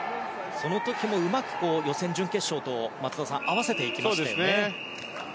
その時もうまく予選、準決勝と合わせていきました。